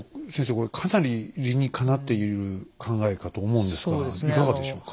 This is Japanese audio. これかなり理にかなっている考えかと思うんですがいかがでしょうか？